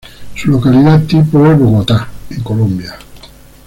Su localidad tipo es Bogotá, en Colombia.